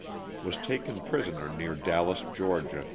Was taken prisoner near Dallas, Ga.